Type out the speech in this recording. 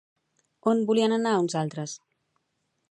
On volien anar uns altres?